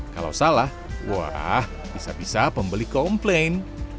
kalau salah wah bisa bisa pembeli komplain